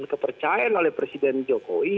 kepercayaan oleh presiden jokowi